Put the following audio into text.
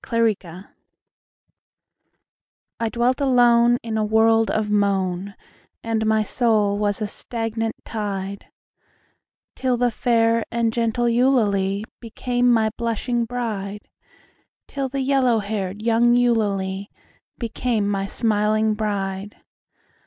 2 Autoplay I dwelt alone In a world of moan, And my soul was a stagnant tide, Till the fair and gentle Eulalie became my blushing bride Till the yellow haired young Eulalie became my smiling bride.